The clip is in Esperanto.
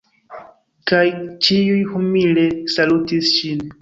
Kaj ĉiuj humile salutis ŝin.